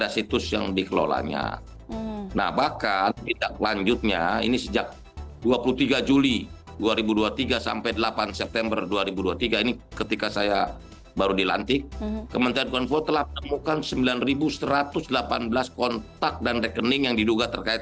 selamat sore pak menteri